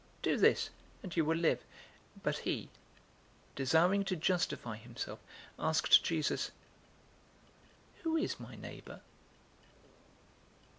Do this, and you will live." 010:029 But he, desiring to justify himself, asked Jesus, "Who is my neighbor?"